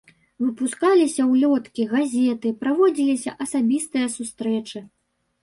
Выпускаліся ўлёткі, газеты, праводзіліся асабістыя сустрэчы.